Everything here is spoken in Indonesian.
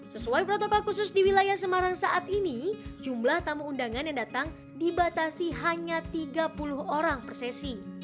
sesuai protokol khusus di wilayah semarang saat ini jumlah tamu undangan yang datang dibatasi hanya tiga puluh orang per sesi